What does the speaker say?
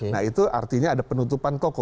nah itu artinya ada penutupan toko